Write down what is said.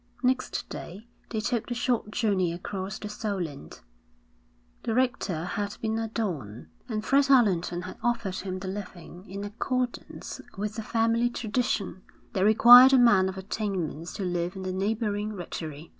Next day they took the short journey across the Solent. The rector had been a don, and Fred Allerton had offered him the living in accordance with the family tradition that required a man of attainments to live in the neighbouring rectory.